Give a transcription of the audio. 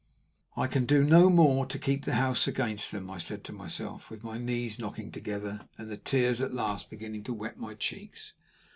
"I can do no more to keep the house against them," I said to myself, with my knees knocking together, and the tears at last beginning to wet my cheeks.